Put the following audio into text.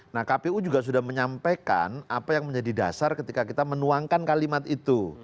nah kpu juga sudah menyampaikan apa yang menjadi dasar ketika kita menuangkan kalimat itu